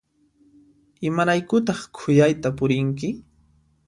Imaraykutaq khuyayta purinki?